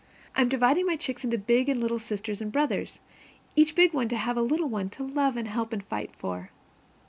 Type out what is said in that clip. I'm dividing my chicks into big and little sisters and brothers, each big one to have a little one to love and help and fight for.